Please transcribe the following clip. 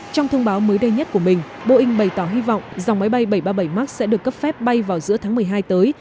trong thông báo mới đây nhất của mình boeing bày tỏ hy vọng dòng máy bay bảy trăm ba mươi bảy max sẽ được cấp phép bay vào giữa tháng một mươi hai tới